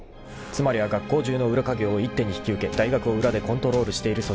［つまりは学校中の裏稼業を一手に引き受け大学を裏でコントロールしている組織］